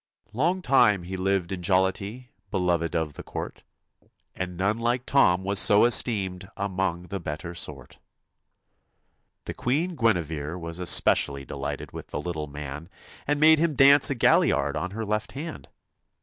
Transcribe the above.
Long time he lived in jollity, Beloved of the court, And none like Tom was so esteemed Among the better sort. The queen Gueniver was especially delighted with the little man, and made him dance a galliard on her left hand.